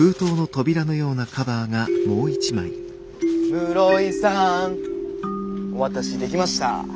室井さん！お渡しできました！